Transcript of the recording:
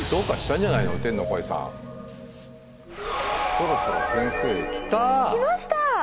そろそろ先生来た！来ました！